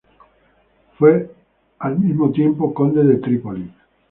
Fue al mismo tiempo conde de Trípoli.